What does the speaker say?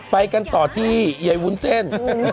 ไปกันต่อที่ใยวุ้นเส้น